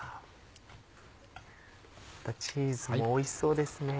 チーズもおいしそうですね。